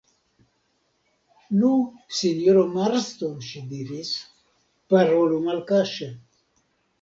Nu, sinjoro Marston, ŝi diris, parolu malkaŝe.